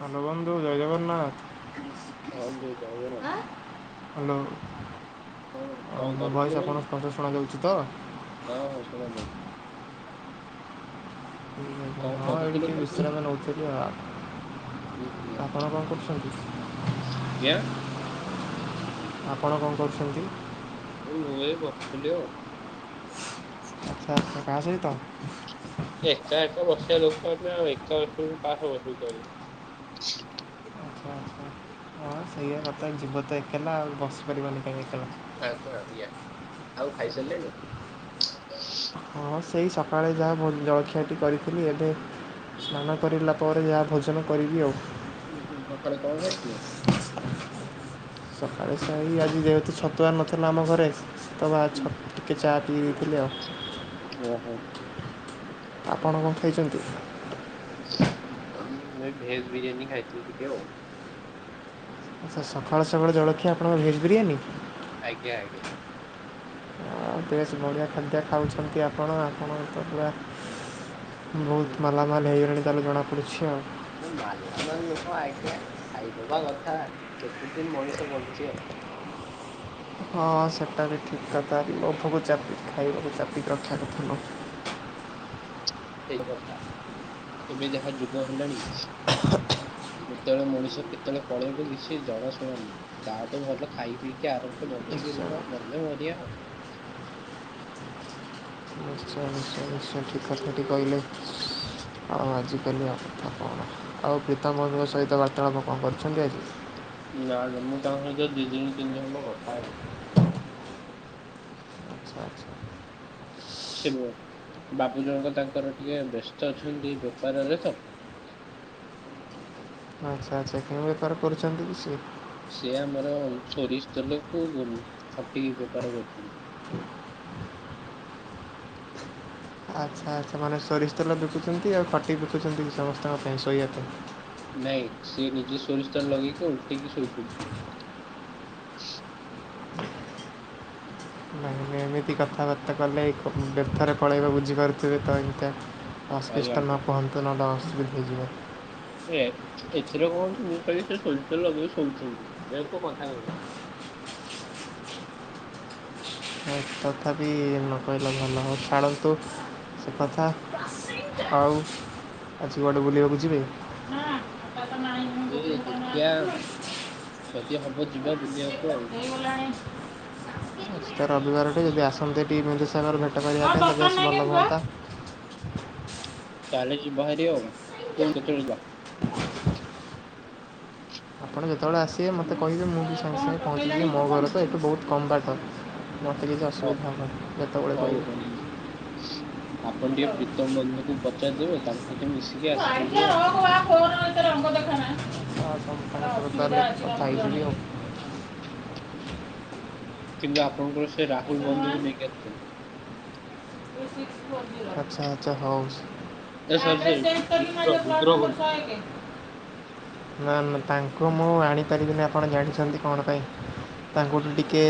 Hello ବନ୍ଧୁ ଜୟ ଜଗନ୍ନାଥ। ହଁ ବେ ଜୟ ଜଗନ୍ନାଥ। ହ୍ୟାଲୋ ଅ କଣ ମୋ କରୁଥିଲେ ଭୟସ୍ ବନ୍ଧୁ? ଆପଣଙ୍କୁ ସ୍ପଷ୍ଟ ଶୁଣା ଯାଉଚି ତ। ହଁ ହଁ ଶୁଣା ଯାଉଚି। ହଁ ଏଇଠି କରୁଥିଲେ ଟିକେ ବିଶ୍ରାମ ନଉଥିଲି ଆ ହୁ ହୁ କରୁଛନ୍ତି ଆଜ୍ଞା। ଆପଣ କଣ କରୁଛନ୍ତି। ମୁଁ ଏଇ ବସିଥିଲି ଆଉ। ଆଛା ଆଛା କାହା ସହିତ? ଏକା ଏକା ବସିବା ଲୋକ ଆମେ ଏକା ବସିବୁନି କାହା ସହ ବସିବୁ କହିଲେ। [inaudible] ଆଚ୍ଛା ହଁ ସେଇଆ କଥା ଯିବ ତ ଏକେଲା ଆଉ ବସିପାରିବନି କାଇଁ ଏକେଲା। ଆଜ୍ଞା ଆଜ୍ଞା ଆଉ ଖାଇସାରିଲେଣି। ହଁ ସେଇ ସକାଳେ ଯାହା ବୋଲି ଜଳଖିଆଟି କରିଥିଲି ଏବେ ସ୍ନାନ କରିଲା ପରେ ଯାହା ଭୋଜନ କରିବି ଆଉ। ହୁଁ ହୁଁ ସକାଳେ କଣ ଖାଇଥିଲେ? ସକାଳେ ସେଇ ଆଜି ଯେହେତୁ ଛତୁଆ ନଥିଲା ଆମ ଘରେ ତ ମା ହୁଁ, ଛତ୍ ଟିକେ ଚା ରେ ପି ଦେଇଥିଲି ଆଉ। ଓ ହୋ। ଆପଣ କଣ ଖାଇଛନ୍ତି? ନାଇ ଭେଜ ବିରିୟାନୀ ଖାଇଥିଲି ଟିକେ ଆଉ। ଆଛା ସଖାଳୁ ସକାଳୁ ଜଳଖିଆ ଆପଣଙ୍କ ଭେଜ୍ ବିରିୟାନୀ? ଆଜ୍ଞା ଆଜ୍ଞା। ଆଉ ବେଶ୍ ବଢ଼ିଆ ଖାଦ୍ୟ ଖାଉଛନ୍ତି ଆପଣ ଆପଣ ତ ପୁରା ବହୁତ ମାଲାମାଲ ହେଇଗଲାଣି ତାହେଲେ ଜଣାପଡ଼ୁଛି ଆଉ। ଯେ ମାଲା ମାଲ୍ ନୁହଁ ଆଜ୍ଞା ଖାଇଦବା କଥା କେତେ ଦିନ୍ ମଣିଷ ବଞ୍ଚିବ? ହଁ ସେଟା ବି ଠିକ କଥା ବି ଲୋଭକୁ ଚାପିକି ଖାଇବାକୁ ଚାପିକି ରଖିବା କଥା ନୁହ। ସେଇ କଥା ଏବେ ଯାହା ଯୁଗ ହେଲାଣି କେତେବେଳେ ମଣିଷ କେତେବେଳେ ପଳେଇବ କିଛି ଜଣା ଶୁଣା ନୁହେଁ। ତାହାଠୁ ଭଲ ଖାଇ ପିଇକି ଆରାମସେ ବଂଚ ଖାଇ ପିଇକି ନିଶ୍ଚୟ ରୁହ ମଲେ ମରିବା ଆଉ। ନିଶ୍ଚୟ ନିଶ୍ଚୟ ଠିକ୍ କଥାଟି କହିଲେ ଆଉ ଆଜିିକାଲି ଆଉ କଥା କଣ ଆଉ ପ୍ରୀତା ମଧଙ୍କ ସହିତ ବାର୍ତ୍ତାଳାପ କଣ କରିଛନ୍ତି ଆଜି? ନା ନା ମୁଁ ତାଙ୍କ ସହିତ ଦିଦିନ ତିନଦିନ ହବ କଥା ହେଇନି। ଆଚ୍ଛା ଆଚ୍ଛା ଶିମ ବାବୁ ଜଣକ ତାଙ୍କର ଟିକେ ବ୍ୟସ୍ତ ଅଛନ୍ତି ବେପାରରେ ତ। ଆଚ୍ଛା ଆଚ୍ଛା କି ବେପାର କରୁଛନ୍ତି କି ସିଏ? ସେ ଆମର ସୋରିଷ ତେଲକୁ ଖଟିକି ବେପାର କରୁଛନ୍ତି। [unintelligible] ଆଚ୍ଛା ଆଚ୍ଛା ମାନେ ସୋରିଷ ତେଲ ବିକୁଛନ୍ତି ଆଉ ଖଟି ବିକୁଛନ୍ତି ସମସ୍ତଙ୍କ ପାଇଁ ଶୋଇବା ପାଇଁ। ନାଇଁ ସିଏ ନିଜେ ସୋରିଷ ତେଲ ଲଗେଇକି ଓଲଟେଇକି ଶୋଇପଡୁଛନ୍ତି। [unintelligible] ଭାଇମାନେ ଏମିତି କଥାବାର୍ତ୍ତା କଲେ ବ୍ୟର୍ଥରେ ପଳେଇବ ବୁଝିପାରୁଥିବେ ତ ଏମିତିଆ। ଭାଇ ଅସ୍ପିଷ୍ଟନ ଆଗରେ। ପହନ୍ତୁ ନା ଡାସମିକ ହେଇଯିବା। ଏଥିରେ କଣ ଅଛି ମୁଁ ଖାଲି ସେ ସୋରିଷ ତେଲ ଲଗେଇ ଶୋଉୁଛନ୍ତି ଏହାକୁ କଥା କହ [unintelligible] ତଥାପି ନ କହିଲେ ଭଲ ହେବ ଛାଡ଼ନ୍ତୁ ସେ କଥା ହଉ ଆଜି କୁଆଡେ ବୁଲିବାକୁ ଯିବେ? ହଉ ଦେଖିଆ ଯଦି ହବ ଯିବା ବୁଲିବାକୁ ଆଉ। [unintelligible] ତ ରବିବାରଟେ ଯଦି ଆସନ୍ତେ ଟି ବିନ୍ଦୁସାଗର ଭେଟ କରିବା ପାଇଁ ତ ବେଶ ଭଲ ହୁଅନ୍ତା। ତାହଲେ ଯିବାଭାରି କୁହନ୍ତୁ କେତେବେଳେ ଯିବା? ଆପଣ ଯେତେବେଳେ ଆସିବେ ମୋତେ କହିବେ ମୁଁ ବି ସାଙ୍ଗେ ସାଙ୍ଗେ ପହଞ୍ଚିିବି ମୋ ଘର ତ ଏଠୁ ବହୁତ କମ୍ ବାଟ ମୋତେ କିଛି ହଉ ଅସୁବିଧା ହେବନି ଯେତେବେଳେ ହଉ ହଉ କହିବେ ଆପଣ ଟିକେ ପ୍ରିତମ ଭଗ୍ନିକୁ ପଚାରିଦେବେ ତାଙ୍କ ସହିତ ମିଶିକି ଆସିଯିବେ ଆଉ। [unintelligible] ତାହାଲେ କଥା ହେଇଯିବି। କିନ୍ତୁ ଆପଣଙ୍କର ସେ ରାହୁଲ ବନ୍ଧୁକୁ ନେଇକି ଆସିବେନି। ଆଚ୍ଛା ଆଚ୍ଛା ହଉସ୍ ଏ ସରି ସରି ରୁଦ୍ର ରୁଦ୍ର ବନ୍ଧୁ। ନା ନା ତାଙ୍କୁ ମୁଁ ଆଣିପାରିବିନି ଆପଣ ଜାଣିଛନ୍ତି କଣ ପାଇଁ? ତାଙ୍କଠୁ ଟିକେ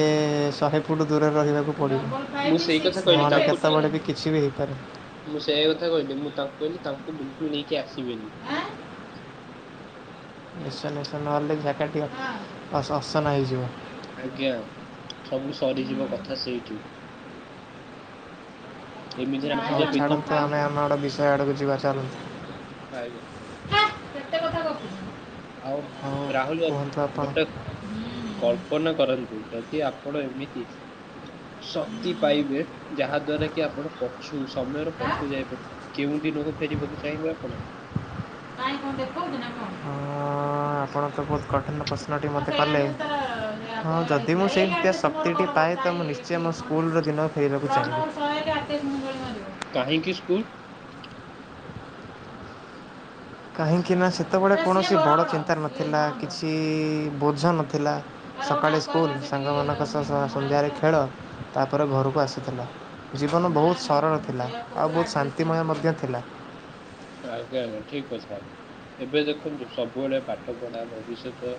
ଶହେ ଫୁଟ ଦୂରରେ ରହିବାକୁ ପଡିବ। ମୁଁ ସେଇ କଥା କହିଲି ନହେଲେ ତାଙ୍କୁ ଟିକେ- କେତେବେଳେ ବି କିଛି ବି ହେଇ ମୁଁ ସେୟା କଥା କହିଲି ମୁଁ ତାଙ୍କୁ କହିଲି ତାଙ୍କୁ ବିଲକୁଲ ନେଇକି ଆସିବେନି? ନିଶା ନିଶା ନହଲେ ଜାଗାଟି ଅ-ଅସନା ହେଇଯିବ। ଆଜ୍ଞା ସବୁ ସରିଯିବ କଥା ସେଇଠି। ଏମିତିରେ ଆମ୍ ନାଇଁ ହଉ ଛାଡ଼ନ୍ତୁ ଆମେ ଆମ ଆଡ଼ ବିଷୟ ଆଡକୁ ଯିବା ଚାଲନ୍ତୁ। ଆଜ୍ଞା ହେ, କେତେ କଥା ଗପୁଛୁ ଆଉ ହଁ ରାହୁଲ କୁହନ୍ତୁ ଆପଣ ଗୋଟେ କଳ ଫୋନ କରନ୍ତୁ। ଯଦି ଆପଣ ଏମିତି ଶକ୍ତି ପାଇବେ, ଯାହା ଦ୍ଵାରା କି ଆପଣ ପଛୁକୁ ସମୟର ହାଁ? ପଛୁକୁ ଯାଇପାରି କେଉଁଦିନକୁ ଫେରିବାକୁ ଚାହିଁବେ ଆପଣ? ନାଇଁ କଣ ଦେଖଉଚି ନା କଣ? ହଁ ଆପଣ ତ ବହୁତ କଠିନ ପ୍ରଶ୍ନଟିଏ ମୋତେ କଲେ ହଁ ଯଦି ମୁଁ ସେମତିଆ ଶକ୍ତିଟି ପାଏ ତ ମୁଁ ନିଶ୍ଚୟ ମୋ ସ୍କୁଲର ଦିନକୁ ଫେରିବାକୁ ଚାହିଁବି। କା [unintelligible] କାହିଁକି ସ୍କୁଲ? କାହିଁକି ନା ସେତେବେଳେ କୌଣସି ବଡ଼ ଚିନ୍ତା ନଥିଲା, କିଛି ବୋଝ ନଥିଲା ସକାଳେ ସ୍କୁଲ, ସାଙ୍ଗମାନଙ୍କ ସହ ସ-ସନ୍ଧ୍ୟାରେ ଖେଳ, ତାପରେ ଘରକୁ ଆସୁଥିଲ। ଜୀବନ ବହୁତ ସରଳ ଥିଲା। ଆଉ ବହୁତ ଶାନ୍ତିମୟ ମଧ୍ୟ ଥିଲା। ଆଜ୍ଞା ଆଜ୍ଞା ଠିକ କଥା। ଏବେ ଦେଖନ୍ତୁ ସବୁବେଳେ ପାଠପଢା, ଭବିଷ୍ୟତ,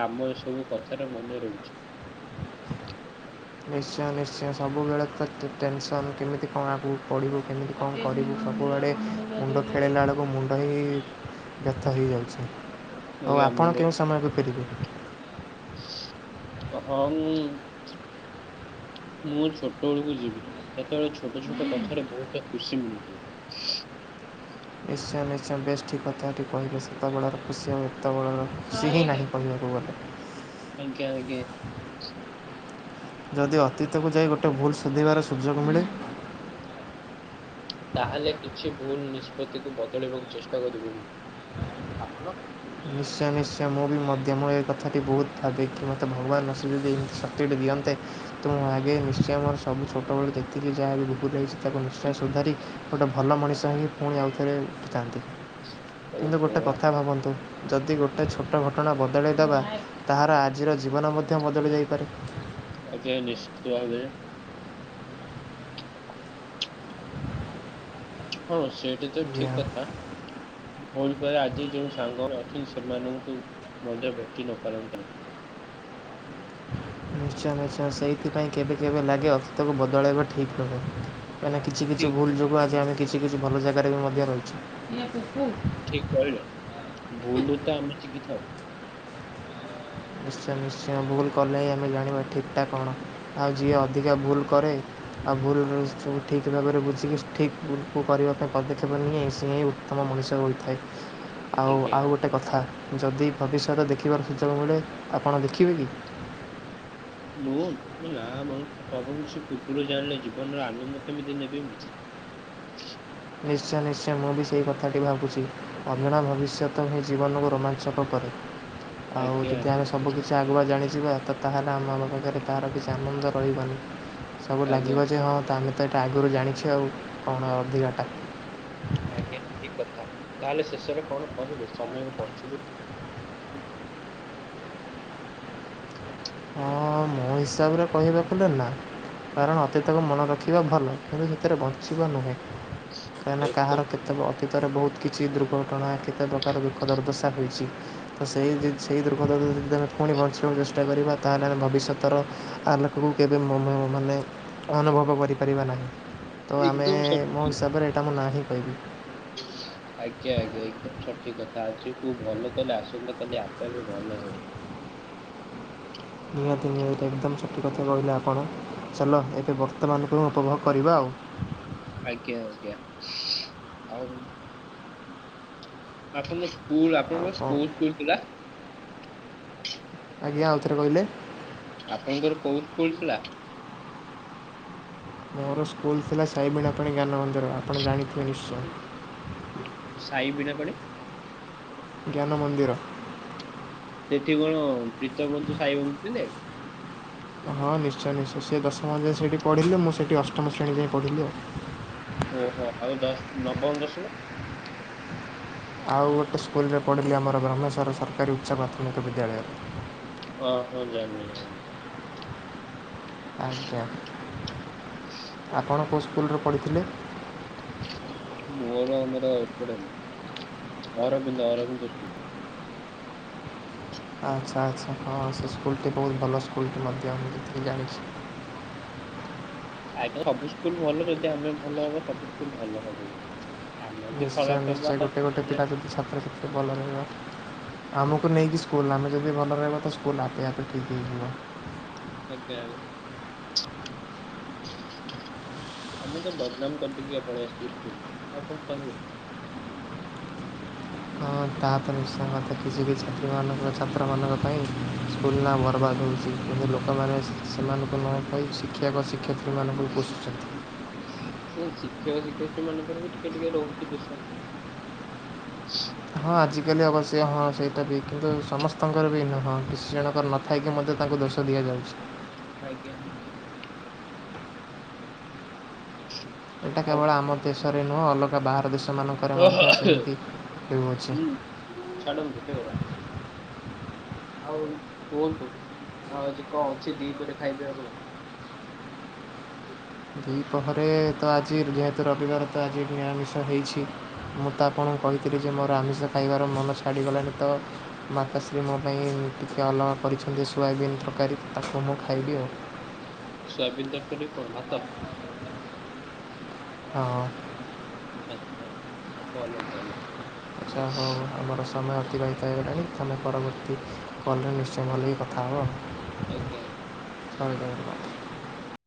କାମ ଏସବୁ କଥାରେ ମନେ ରହୁଛି। [inaudible] ନିଶ୍ଚୟ ନିଶ୍ଚୟ। ସବୁବେଳେ ତ ଟେ-ଟେନସନ। କେମିତି କଣ ଆଗ ପଢିବୁ, କେମିତି କଣ କରିବୁ? ସବୁଆଡେ ମୁଣ୍ଡ ଖେଳେଇଲା ବେଳକୁ, ମୁଣ୍ଡ ହିଁ ବ୍ୟଥା ହେଇଯାଉଛି। ଆଉ ଆଜ୍ଞା ଆପଣ କେଉଁ ସମୟକୁ ଫେରିବେ? ତ ହଁ ମୁଁ [inaudible] ମୁଁ ମୋ ଛୋଟବେଳକୁ ଯିବି। ସେତେବେଳେ ଛୋଟ ଛୋଟ କଥାରେ ବହୁତ ଖୁସି ମିଳୁଥିଲା। ନିଶ୍ଚୟ ନିଶ୍ଚୟ। ବେଶ୍ ଠିକ୍ କଥା ଟି କହିଲେ। ସେତେବେଳର ଖୁସି ଆଉ ଏତେବେଳର ଖୁସି ହିଁ ନାହିଁ କହିବାକୁ ଗଲେ। [unintelligible] ଯଦି ଅତୀତକୁ ଯାଇ, ଗୋଟେ ଭୁଲ ସୁଧିବାର ସୁଯୋଗ ମିଳେ? ତାହେଲେ କିଛି ଭୁଲ ନିଷ୍ପତ୍ତିକୁ ବଦଳେଇବାକୁ ଚେଷ୍ଟା କରିବି ମୁଁ। ଆପଣ? ନିଶ୍ଚୟ ନିଶ୍ଚୟ। ମୁଁ ବି ମଧ୍ୟ। ମୋ ଏ କଥାଟି ବହୁତ ଭାବେ କି, ମୋତେ ଭଗବାନ ଆସିିକି ଯଦି ଏମତି ଶକ୍ତିଟେ ଦିଅନ୍ତେ ତ ମୁଁ ଆଗେ, ନିଶ୍ଚୟ ମୋର ସବୁ ଛୋଟବେଳ ଯେତିକି ଯାହା ବି ଭୁଲ ହେଇଛି ତାକୁ ନିଶ୍ଚୟ ସୁଧାରି ଗୋଟେ ଭଲ ମଣିଷ ହେଇ, ପୁଣି ଆଉଥରେ ଉଠିଥାନ୍ତି। କିନ୍ତୁ ଓହୋ ଗୋଟେ କଥା ଭାବନ୍ତୁ ଯଦି ଗୋଟେ ଛୋଟ ଘଟଣା ବଦଳାଇ ଦବା, ତାହାର ଆଜିର ଜୀବନ ମଧ୍ୟ ବଦଳି ଯାଇପାରେ। ଆଜ୍ଞା ନିଶ୍ଚିତ ଭାବେ। ହଁ ସେଇଟା ତ ଆଜ୍ଞା ଠିକ କଥା। ହୋଇପାରେ ଆଜି ଯୋଉ ସାଙ୍ଗ ଅଛନ୍ତି ସେମାନଙ୍କୁ ତ ମଧ୍ୟ ଭେଟି ନ ପାରନ୍ତି। [inaudible] ନିଶ୍ଚୟ ନିଶ୍ଚୟ। ସେଇଥିପାଇଁ କେବେ କେବେ ଲାଗେ ଅତୀତକୁ ବଦଳାଇବା ଠିକ୍ ନୁହେଁ। କାଇଁନା କିଛି କିଛି ଠିକ ଭୁଲ୍ ଯୋଗୁଁ, ଆଜି ଆମେ କିଛି କିଛି ଭଲ ଜାଗାରେ ବି ମଧ୍ୟ ରହିଛୁ। ଠିକ କହିଲେ। ଭୁଲରୁ ତ ଆମେ ଶିଖି ଥାଉ। ସେ ନିଶ୍ଚୟ ଭୁଲ କଲେ ହିଁ ଆମେ ଜାଣିବା ଠିକ୍ ଟା କଣ? ଆଉ ଯିଏ ଅଧିକା ଭୁଲ୍ କରେ, ଆଉ ଭୁଲରୁ ସବୁ ଠିକ୍ ଭାବରେ ବୁଝିକି, ଠିକ୍ ଭୁଲକୁ କରିବା ପାଇଁ ପଦକ୍ଷେପ ନିଏ, ସିଏ ହିଁ ଉତ୍ତମ ମଣିଷ ଥାଏ। ଆଉ ଆଜ୍ଞା। ଆଉ ଗୋଟେ କଥା, ଯଦି ଭବିଷ୍ୟତ ଦେଖିବାର ସୁଯୋଗ ମିଳେ ଆପଣ ଦେଖିବେ କି? ମୁଁ ନା ମ ସବୁ କିଛି ପୂର୍ବରୁ ଜାଣିଲେ, ଜୀବନର ଆନନ୍ଦ କେମିତି ନେବି ମୁଁ? [inaudible] ନିଶ୍ଚୟ ନିଶ୍ଚୟ, ମୁଁ ବି ସେଇ କଥାଟି ଭାବୁଛି ଅଜଣା ଭବିଷ୍ୟତ ହିଁ ଜୀବନକୁ ରୋମାଞ୍ଚକ କରେ। ଆଉ ଆଜ୍ଞା ଯଦି ଆମେ ସବୁ କିଛି ଆଗୁଆ ଜାଣି ଯିବା ତ ତାହେଲେ ଆମ ଆମ ପାଖରେ ତାହାର କିଛି ଆନନ୍ଦ ରହିବନି, ସବୁ ଆଜ୍ଞା ଲାଗିବ ଯେ ହଁ ତ ଆମେ ତ ଏଇଟା ଆଗରୁ ଜାଣିଛି ଆଉ କଣ ଅଧିକାଟା। ଆଜ୍ଞା ଠିକ କଥା, ତାହେଲେ ଶେଷରେ କଣ କହିବେ ସମୟକୁ ପଛକୁ [inaudible] ହଁ ମୋ ହିସାବରେ କହିବାକୁ ଗଲେ ନା। କାରଣ ଅତୀତକୁ ମନେ ରଖିବା ଭଲ, କିନ୍ତୁ ସେଥିରେ ବଞ୍ଚିବା ନୁହେଁ। କାହିଁକ ନା କାହାର ଏକଦମ କେତେ, ଅତୀତରେ ବହୁତ କିଛି ଦୁର୍ଘଟଣା, କେତେ ପ୍ରକାର ଦୁଃଖ ଦୁର୍ଦଶା ହୋଇଛି, ତ ସେ ତ ସେଇ ଦୁଃଖ ଦୁର୍ଦଶା ଯେ ପୁଣି ବଞ୍ଚିବାକୁ ଚେଷ୍ଟା କରିବା। ତାହେଲେ ଆମେ ଭବିଷ୍ୟତର ଆଲୋକକୁ କେବେ ମନୋ ମାନେ ଅନୁଭବ କରିପାରିବା ନାହିଁ। ତ ଆମେ ଏକଦମ ମୋ ସଠିକ। ହିସାବରେ, ଏଇଟା ମୁଁ ନା ହିିଁ କହିବି। ଆଜ୍ଞା ଆଜ୍ଞା, ଏକଦମ ସଠିକ କଥା ଆଜିକୁ ଭଲ କଲେ, ଆସନ୍ତା କାଲି ଆପେ ଆପେ ଭଲ ହବ। ନିହାତି ନିହାତି ଏକଦମ ସଠିକ କଥା କହିଲେ ଆପଣ, ଚାଲ ଏବେ ବର୍ତ୍ତମାନକୁ ଉପଭୋଗ କରିବା ଆଉ। [inaudible] ଆଜ୍ଞା ଆଜ୍ଞା, ଆଉ? ଆପଣଙ୍କ ସ୍କୁଲ, ଆଉ ଆପଣଙ୍କ ପା କ'ଣ ସ୍କୁଲ୍ ଫୁଲ ଥିଲା? ଆଜ୍ଞା ଆଉ ଥରେ କହିଲେ? ଆପଣଙ୍କର କୋଉ ସ୍କୁଲ୍ ଥିଲା? ମୋର ସ୍କୁଲ ଥିଲା ସାଇବିଣାପାଣି ଜ୍ଞାନ ମନ୍ଦିର ଆପଣ ଜାଣିଥିବେ ନିଶ୍ଚୟ। ସାହି ବିନା ପାଣି! ଜ୍ଞାନ ମନ୍ଦିର। ଏଠି କଣ ପ୍ରୀତମ ବନ୍ଧୁ ସାଇ ବନ୍ଧୁ ଥିଲେ? ହଁ ନିଶ୍ଚୟ ନିଶ୍ଚୟ ସେ ଦଶମ ଯାଏ ସେଇଠି ପଢ଼ିଲେ, ମୁଁ ସେଇଠି ଅଷ୍ଟମ ଶ୍ରେଣୀ ଯାଇଁ ପଢ଼ିଲି ଆଉ ଓହୋ ଆଉ ଦଶ ନବମ ଦଶମ? ଆଉ ଗୋଟେ ସ୍କୁଲରେ ପଢିଲି ଆମର ବ୍ରହ୍ମେଶ୍ୱର ସରକାରୀ ଉଚ୍ଚ ପ୍ରାଥମିକ ବିଦ୍ୟାଳୟ। ଓ ହୋ ଜାଣିଲି ଜାଣିଲି। ଆଜ୍ଞା। ଆପଣ କୋଉ ସ୍କୁଲରେ ପଢ଼ିଥିଲେ? ମୋର ଆମର ଏପଟେ ଅରବିନ୍ଦ ଅରବିନ୍ଦ ସ୍କୁଲ୍। ଆଚ୍ଛା ଆଚ୍ଛା ହଁ ସେ ସ୍କୁଲଟି ବହୁତ ଭଲ ସ୍କୁଲଟି ମଧ୍ୟ ମୁଁ ଏତିକି ଜାଣିଛି। [unintelligible] ଆଜ୍ଞା ସବୁ ସ୍କୁଲ ଭଲ ଯଦି ଆମେ ଭଲ ହବା ସବୁ ସ୍କୁଲ ଭଲ ହବ। ଆମେ ଯଦି ନିଶ୍ଚୟ ଖରାପ ହବା ନିଶ୍ଚୟ ଗୋଟେ ଗୋଟେ ତାହେଲେ ପିଲା ଯଦି ଛାତ୍ରଛାତ୍ରୀ ଭଲ ରହିବ। ଆମକୁ ନେଇକି ସ୍କୁଲ ଆମେ ଯଦି ଭଲ ରହିବା ତ ସ୍କୁଲ ଆପେ ଆପେ ଠିକ୍ ହେଇଯିବ। ଆଜ୍ଞା। [unintelligible] ଆମେ ତ ବଦନାମ କରିିଦେଇକି ପଳେଇ ଆସି ଥିଲୁ ସ୍କୁଲ୍ କୁ ଆଉ କଣ କହିବେ। [unintelligible] ହଁ ତା ତ ନିଶ୍ଚୟ ମତେ କିଛି ବି ଛାତ୍ରୀମାନଙ୍କ ଛାତ୍ରମାନଙ୍କ ପାଇଁ ସ୍କୁଲ ନା ବରବାଦ ହ ଲୋକମାନେ ସେମାନଙ୍କୁ ନ ପାଇ ଶିକ୍ଷକ ଶିକ୍ଷୟିତ୍ରୀମାନଙ୍କୁ କୋଷୁଛନ୍ତି। ହ। ନାଇଁ ଶିକ୍ଷକ ଶିକ୍ଷୟତ୍ରୀ ମାନଙ୍କର ବି ଟିକେ ଟିକେ ରହୁଛି ଦୋଷ। ହଁ ଆଜିକାଲି ଅବଶ୍ୟ ହଁ ସେଇଟା ବି କିନ୍ତୁ ସମସ୍ତଙ୍କର ବି ନୁହଁ କିଛି ଜଣଙ୍କର ନଥାଇକି ମଧ୍ୟ ତାଙ୍କୁ ଦୋଷ ଦିଆଯାଉଛି। ଆଜ୍ଞା ଆଜ୍ଞା। ଏଇଟା ଆଉ କେବଳ ଆମ ଦେଶରେ ନୁହଁ ଅଲଗା ବାହାର ଦେଶ ଶ ମାନଙ୍କରେ ମଧ୍ୟ ସେମିତି ହୋଉଅଛି। ହୁଁ ଛାଡ଼ନ୍ତୁ ସେ କଥା। ଆଉ କୁହନ୍ତୁ ଆଉଆଜି କଁ ଅଛି ଦିପହରେ ଖାଇବେ ଆପଣ? [unintelligible] ଦିପହରେ ତ ଆଜି ଯେହେତୁ ରବିବାର ତ ଆଜି ନିରାମିଷ ହେଇଛି ମୁଁ ତ ଆପଣଙ୍କୁ କହିଥିଲି ଯେ ମୋର ଆମିଷ ଖାଇବାର ମନ ଛାଡ଼ିଗଲାଣି ତ ମାତାଶ୍ରୀ ମୋ ପାଇଁ ଟିକିଏ ଅଲଗା କରିଛନ୍ତି ସୋୟାବିନ୍ ତରକାରୀ ତାକୁ ମୁଁ ଖାଇବି ଆଉ। ସୋୟବିନ ତରକାରୀକୁ କଣ ଭାତ? ହଁ। ଆଚ୍ଛା ହଁ ଭଲ ଭଲ। ଆଛା ହୋଉ ଆମର ସମୟ ଅତିବାହିତ ହେଇଗଲାଣି ତମେ ପରବର୍ତ୍ତୀ କଲରେ ନିଶ୍ଚୟ ଭଲ କି କଥା ହବ ଆଉ। ଆଜ୍ଞା। ଧନ୍ୟବାଦ।